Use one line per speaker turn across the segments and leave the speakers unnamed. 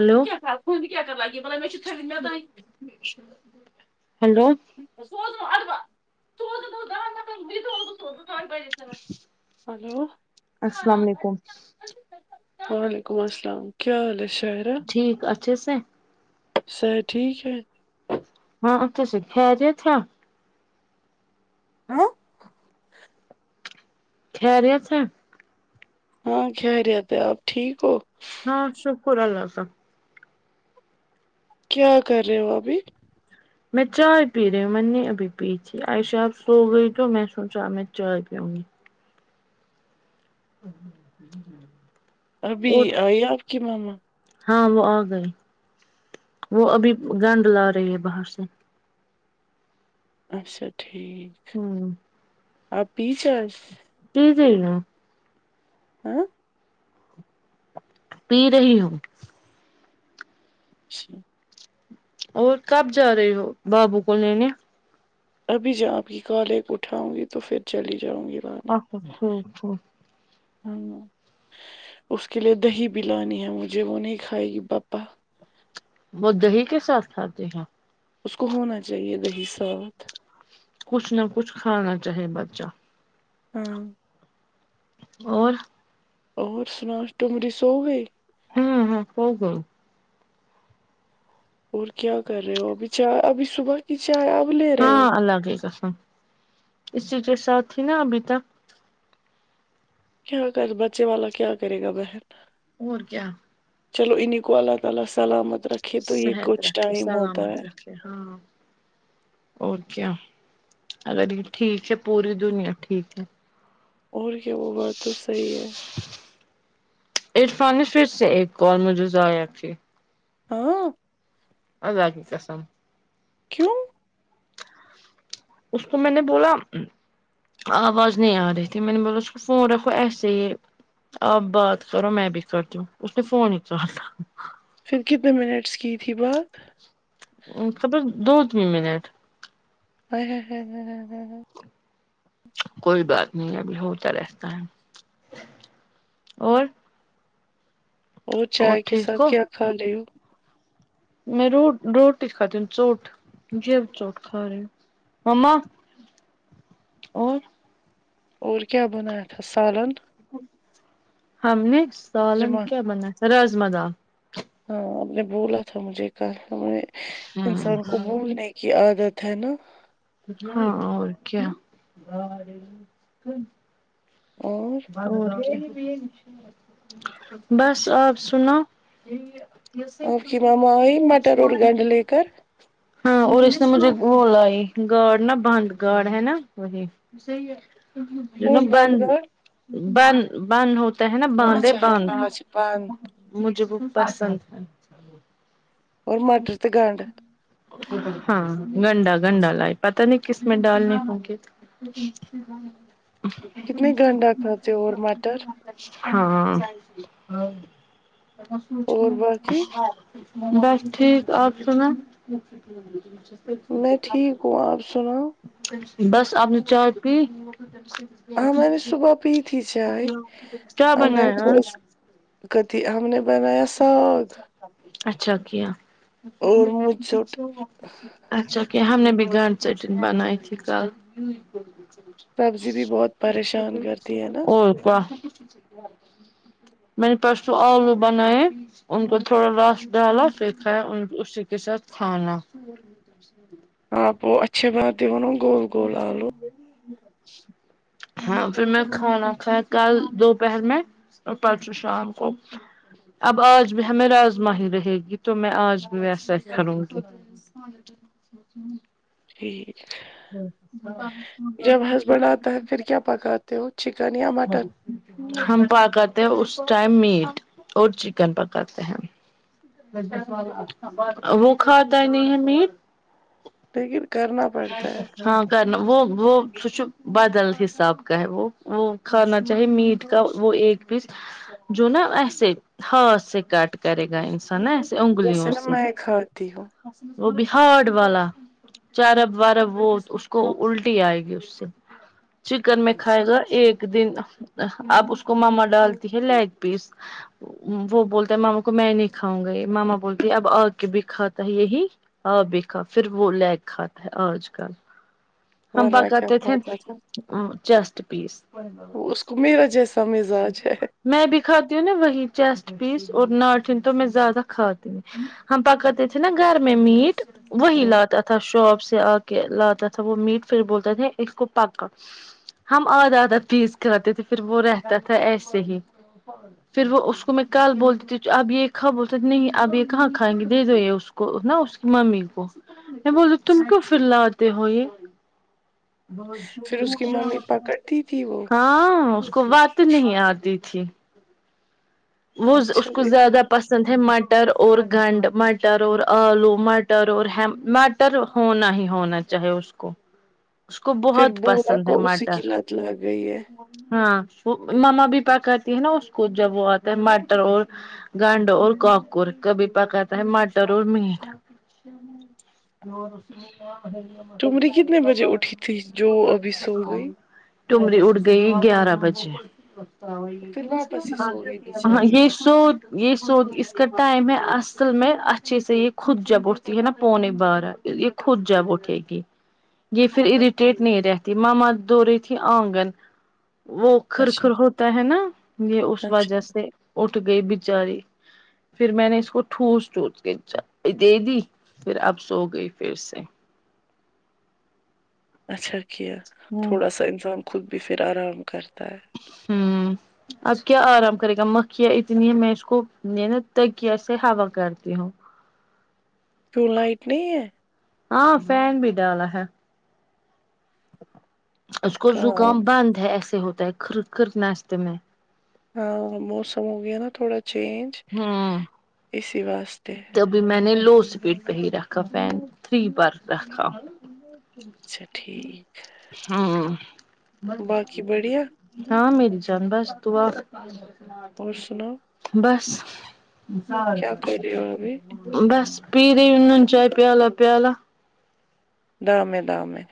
hello
[unintelligible]
hello
[unintelligible] hello
السلام علیکم
[unintelligible] وعلیکم السلام کیا حال ہے شاعرہ
ٹھیک اچھے سے
اب صحت ٹھیک ہے
ہاں اچھے سے خیریت ہیں
ہاں
خیریت ہے
ہاں خیریت ہے آپ ٹھیک ہو
ہاں شکر اللہ کا
کیا کر رہے ہو ابھی
میں چائے پی رہی ہوں میں نہی ابھی تھی عا ئشہ اب سوگئی تو میں سوچااب میں چائے پیوں گی [unintelligible]
ابھی
اٹھ
آئی آپ کی ماما
ہاں وہ آ گئیں وہ ابھی گندھ لا رہی ہے باہر سے
اچھا ٹھیک
ہوں
آپ پی چاۓ
پی جائی نا
اں
پی رہی ہوں
اچھا
اور کب جا رہے ہو بابو کو لینے
ابھی جا ا بھی کالے کو اٹھاؤں گی تو فر چلی جاؤں گی لانے
[unintelligible]
ہاں نہ اس کے لیے دہی بھی لانی ہے مجھے وہ نہیں کھائے گی بپا
وہ دہی کےساتھ کھاتے ہیں
اس کو ہونا چاہیے دہی ساتھ
کچھ نہ کچھ کھانا چاہے بچہ
ہوں
اور
اور سناو ٹمری سو گئی
ہوں ہوں سو گئی
اور کیا کر رہے ہو ابھی چاۓ ابھی صبح کی چائے اب لے رہے ہو
ہاں اللہ کی قسم اسی کے ساتھ تھی نا ابھی تک
کیا کر بچے والا کیا کرے گا بہن
اور کیا
چلو انھیں کو اللہ تعالی سلامت رکھے تو یہ
صحت
کچھ
رکھے
ٹائم ہوتا ہے
سلامت رکھے ہاں اور کیا اگر یہ ٹھیک ہے پوری دنیا ٹھیک ہے
اور کیا وہ بات تو صحیح ہے
عرفان نے فر سے ایک کال مجھے ضائع کیا
اں ں
اللہ کی قسم
کیوں
اس کو میں نے بولا آواز نہیں آ رہی تھی میں نے بولا اس کو فون رکھو ایسے ہی آپ بات کرو میں بھی کرتی ہوں اس نے فون ہی کا ٹا
پھر کتنے منٹس کی تھی بات
خبر دو تین منٹ
ہائے ہ ہ ہے
کوئی بات نہیں ابھی ہوتا رہتا ہے اور
اور چائے کے
ٹھیک
ساتھ
ہو
کیا کھا رہی ہو
میں رو روٹی کھاتی ہوں چوٹ جیب چوٹ کھا رہی ہو مما اور
اور کیا بنایا تھا سالن
ہم نے سالن کیا بنایا رجما دال
ہاں آپ نے بولا تھا مجھے کل کہ انسان کو بھولنے کی عادت ہے نا
ہاں اور کیا
اور
بھروسہ ہی دیے نی بس آپ سناو
آپ کی مما آئی مٹر اور گنڈ لے کر
ہاں اور اس نے مجھے وہ لائی گارڑ نا بند گارڑ ہے نا وہی جو نا
کون
بند
گار
بند بند ہو تے ہے نا
ہاں
باند ہے
اچھا
باند
آج بند
مجھے وہ پسند ہے
اور مٹر سے گنڈ
ہاں گنڈا گنڈا لائے پتا نہیں کس میں ڈالنے ہوں گے
کتنے گنڈا کھاتے ہو اور مٹر
[inaudible] ہاں
اور باقی
بس ٹھیک آپ سنائیں
میں ٹھیک ہوں آپ سناؤ
بس آپ نے چائے پی
ہاں میں نے صبح پی تھی چائے میں نے تھوڑا سا کتیھی ہم نے بنایا ساگ
اچھا کیا
اور مجھ سٹ
اچھا کہ ہم نے بھی گنڈ چٹن بنائ تھی کل
سبزی بھی بہت پریشان کرتی ہے نا
اور کیا میں نے پرسوں آلو بنائے ان کو تھوڑا رس ڈالا پھر کھاۓ اسی کے ساتھ کھانا [unintelligible]
آپ اچھے باتیں بنو
[unintelligible] ہاں پھر میں کھانا کھایا کل دوپہر میں اور پرسوں شام کو اب آج بھی ہمیں راجما ہی رہے گی تو میں آج بھی ویسا ہی کروں گی
ٹھیک
[unintelligible]
تو پھر کیا پکاتے ہو چکن یا مٹن
ہم پکاتے ہیں اس ٹائم میٹ اور چکن پکاتے ہیں وہ کھاتا ہی نہیں ہے میٹ
لیکن کرنا پڑتا ہے
ہاں کرنا وہ وہ سوچ بدل حساب کا ہے وہ وہ کھانا چاہے میٹ کا وہ ایک جو نا ایسے ہاتھ سے کٹ کرے گا انسان نا ایسے انگلیوں
جیسے نا
سے
میں کھاتی ہوں
وہ بھی ہارڈ والا چارب وارب وہ اس کو الٹی آئے گی اس سے چکن میں کھائے گا ایک دن آب اس کو ماما ڈالتی ہے لیگ پیس وہ بولتا ہے ماما کو میں نہیں کھاؤں گی ماما بولتی اب آ کے بھی کھاتا ہے یہی آ بکھا پھر وہ لیگ کھاتا ہے آج کل ہم با
ورنہ کیا
کہتے تھے
کھاتا تھا
ا چیسٹ پیس
وہ اس کو میرا جیسا مزاج ہے
میں بھی کھاتی ہوں نا وہی چیسٹ پیس اور ناٹن تو میں زیادہ کھاتی ہوں ہم پکا تے تھے نا گھر میں میٹ وہی
ہوں،
لاتا تھا شاپ سے آ کے لاتا تھا وہ میٹ پھر بولتے تھے اس کو پکا ہم آدھا آدھا پیز کھاتے تھے پھر وہ رہتا تھا ایسے ہی پھر وہ اس کو میں کل بولتی تھی اب یہ کھا بولتا نہیں اب یہ کہاں کھائیں گے دے دو یہ اس کو کو نا اس کی ممی کو بول تم کیوں پھر لاتے ہو یہ
پھر اس کی ممی پکڑتی تھی وہ
ہاں اس کو بات نہیں آتی تھی وہ اس
اچھا
کو
دیکھا
زیادہ پسند پسند ہے مٹر اور گنڈ مٹر اور اور آلو مٹر اور مٹ تر ہونا ہی ہونا چاہے اس کو اس کو
پھر
بہت
بولا
پسند ہے
کو اسی
مٹر
کی لت لگ گئی ہے
ہاں وہ مما بھی پکاتی ہے نا اس کو جب وہ آتا ہے مٹر اور گنڈ اور کاکر کبھی پکاتا ہے مٹر اور میٹ [inaudible] [inaudible]
تمری کتنے بجے اٹھی تھی جو ابھی سو گئی
ٹمری اٹھ گئی گیارہ بجے
پھر واپس ہی سو گئی
ہاں
بیچاری
یہ سود یہ سود اس کا ٹائم ہے اصل میں اچھے سے یہ خود جب اٹھتی ہے نا پونے بعد یہ خود جب اٹھے گی یہ پھر اریٹیٹ نہیں رہتی ماما دھو رہی تھی آنگن وہ کھرکھر
اچھا
ہوتا ہے نا یہ اس
اچھا
وجہ سے اٹھ گئی بچاری پھر میں نے اس کو ٹھوس ٹھوس کے دے دی پھر اب سو گئی پھر سے
اچھا کیا
ہوں
تھوڑا سا انسان خود بھی پھر آرام کرتا ہے
ہوں آج کیا آرام کرے گا مکھیاں اتنی ہے میں اس کو میں نا تکیا سے ہوا کرتی ہوں
کیوں لائٹ نہیں ہے
ہاں فین بھی ڈالا ہے اس کو
کہاں
زکام بند ہے ایسے ہوتا ہے کرد کرد ناشتے میں
ہاں موسم ہو گیا نا تھوڑا چینج
ہوں
اسی واسطے
تبھی میں نے لو اسپیڈ پہ ہی رکھا فین تھری بار رکھا
اچھا ٹھیک
ہوں
باقی بڑھیا
ہاں میری جان بس دعا آ
اور سناؤ
بس
کیا ری
بس پی رہی ہوں نا چائے پیالہ پیالہ
دامیں دامیں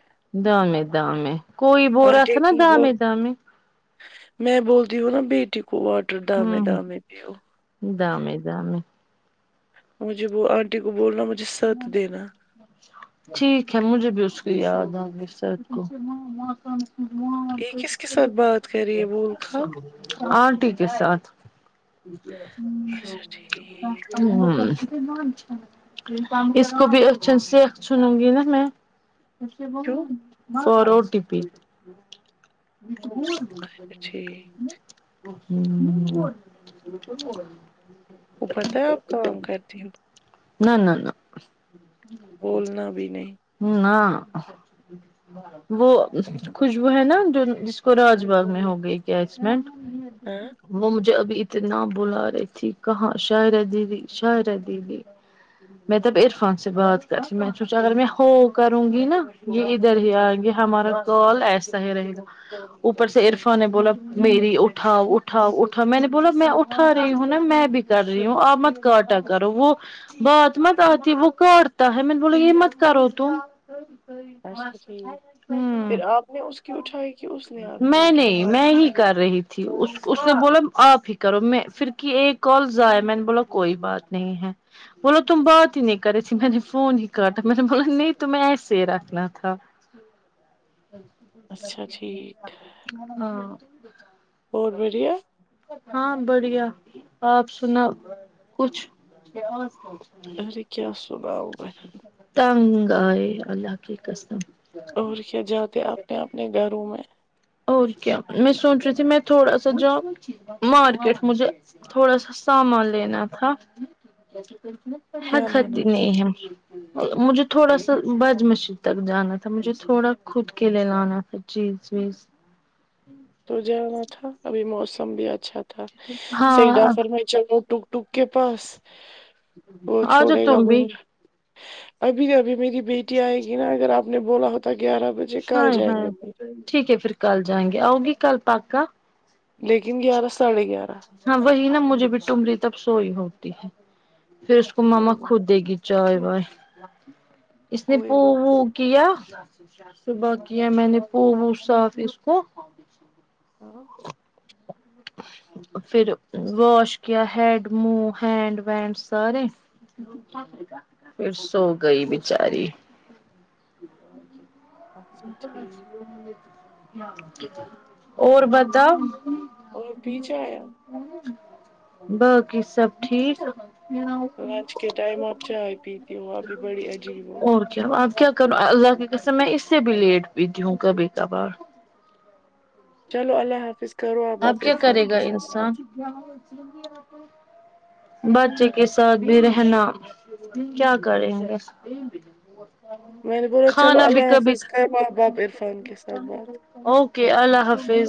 دامیں دامیں کوئی بول رہا تھا
آنٹی
نا
کی وہ
دامیں دامیں
میں بولتی ہوں نا بیٹی کو واٹر دامے دامے پیو
دامیں دامیں
مجھے وہ آنٹی کو بولنا مجھے سٹ دینا
ٹھیک ہے مجھے بھی اس کی یاد آ گے سٹ کو
یہ کس کے ساتھ بات کر رہے بول خاں
آنٹی کے ساتھ
اچھا
ہوں
ٹھیک
ہوں اس کو بھی اچھے سےچنوں گی نا میں
کیوں
فور او ٹی پی
اچھا ٹھیک
ہوں
وہ پتا ہے آپ کام کرتی ہو
نہ نہ نہ
بولنا بھی نہیں
نہ [inaudible] وہ خوشبو ہے نا جو جس کو راج باغ میں ہو گئی کیا ایکسیڈنٹ
ہاں
وہ مجھے ابھی اتنا بلا رہی تھی کہاں شاعرہ دیدی شاعرہ دیدی میں تب عرفان سے بات کرتی میں نے سوچا اگر میں ہو کروں گی نا یہ ادھر ہی آئیں گے ہمارا کال ایسا ہی رہے گا اوپر سے عرفان نے بولا میری اٹھاؤ اٹھاؤ اٹھاؤ میں نے بولا میں اٹھا رہی ہوں نا میں بھی کر رہی ہوں آپ مت کاٹا کرو وہ بات مت آتی وہ کرتا ہے میں نے بولی یہ مت کرو تم
اچھا ٹھیک
ہمم
پھر آپ نے اس کی اٹھائی کہ اس نے آپ کی
میں
اٹھائی
نہیں میں ہی کر رہی تھی اس نے بولا آپ ہی کرو میں پھر کی ایک کال ضایع میں نے بولا کوئی بات نہیں ہے بولو تم بات ہی نہیں کر رہی تھی میں نے فون ہی کٹا میں نے بولہ نہیں تمہیں ایسے ہی رکھنا تھا
اچھا ٹھیک
[unintelligible] ہاں
اور بڑھیا
ہاں بڑھیا آپ سناو کچھ
ارے کیا سناؤں میں
تنگ آے اللہ کی قسم
اور کیا جاتے اپنے اپنے گھروں میں
اور کیا میں سوچ رہی تھی میں تھوڑا سا جاؤں مارکیٹ مجھے تھوڑا سا سامان لینا تھا
کیا لانا
کتی
تھا
نہیں ہے مجھے تھوڑا سا بجمسر تک جانا تھا مجھے تھوڑا خود کے لے لانا تھا جی جی
تو جانا تھا ابھی موسم بھی اچھا تھا
ہاں
سیدا فرمائ چلوں ٹک ٹک کے پاس وہ
آ جاؤ
چھوڑے گا
تم
بھی نہیں ابھی ابھی میری بیٹی آئے گی نا اگر آپ نے بولا ہوتا گیارہ بجے کل
ہاے
جائیں
ہاے
گے پھر
ٹھیک ہے پھر کل جائیں گے آؤ گی کل پکا
لیکن گیارہ ساڑھے گیارہ
ہاں وہی نا مجھے بھی ٹمری تب سوئی ہوتی ہے پھر اس کو ماما
کوئی بات
خود دے گی چائے بائے اس نے
کوئی
پو
بات
کیا صبح کیا میں نے پورا صاف اس کو
ہاں
پھر واش کیا ہیڈ منہ ہینڈ وینڈ سارے پھر سو گئی بچاری
اچھا ٹھیک
اور بتاو
اور پیچھے آیا
باقی سب ٹھیک
لنچ کے ٹائم آپ چائے پیتی ہو اپ بھی بڑی عجیب ہو
اور کیا آب کیا کروں اللہ کےقسم میں اس سے بھی لیٹ پیتی ہوں کبھی کبھار
چلو اللہ حافظ کرو آب آپ
کیا
عرفان
کرے گا
کے ساتھ
انسان بچے کے ساتھ بھی رہنا کیا کریں گے
میں نے بولا چلو
کھانا بھی
اللہ
کبھی
حافظ کر لو آپ بات عرفان کے ساتھ بات
اوکے اللہ حافظ